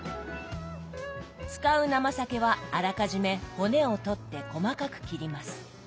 使う生サケはあらかじめ骨を取って細かく切ります。